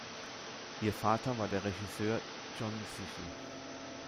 Ihr Vater war der Regisseur John Sichel.